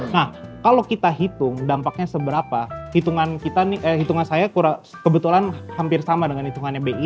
nah kalau kita hitung dampaknya seberapa hitungan saya kurang kebetulan hampir sama dengan hitungannya bi